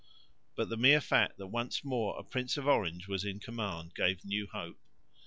But the mere fact that once more a Prince of Orange was in command gave new hope.